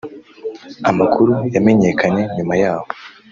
Amakuru yamenyekanye nyuma yaho